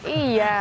iya memang sih